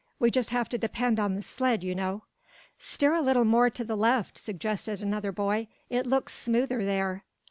We just have to depend on the sled, you know." "Steer a little more over to the left," suggested another boy. "It looks smoother there."